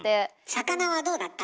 魚はどうだった？